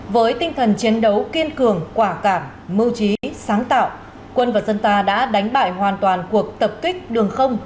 với tinh thần chiến đấu kiên cường quả cảm mưu trí sáng tạo quân và dân ta đã đánh bại hoàn toàn cuộc tập kích đường không